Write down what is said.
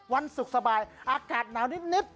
วันสุขสบายอากาศหนาวนิดนิด